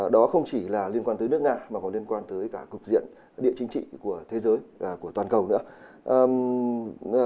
đó không chỉ là liên quan tới nước nga mà còn liên quan tới cả cục diện địa chính trị của thế giới của toàn cầu nữa